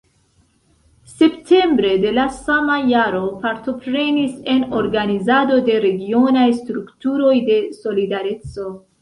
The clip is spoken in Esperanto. Septembre de la sama jaro partoprenis en organizado de regionaj strukturoj de "Solidareco".